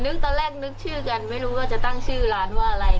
ตอนแรกนึกชื่อกันไม่รู้ว่าจะตั้งชื่อร้านว่าอะไร